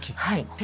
はい。